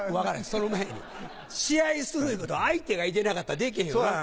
その前に試合するいうことは相手がいてなかったらでけへんやろ？